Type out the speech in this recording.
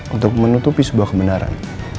untuk menutupi sebuah kebenaran